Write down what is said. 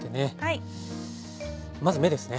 まず目ですね。